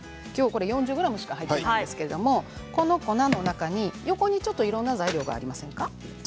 ４０ｇしか入っていないですけどこの粉の中にちょっといろんな材料がありませんか？